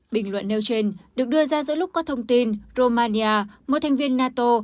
bình luận nêu trên được đưa ra giữa lúc có thông tin romania một thành viên nato